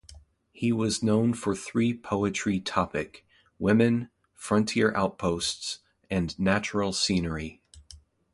He was known for three poetry topic - women, frontier outposts, and natural scenery.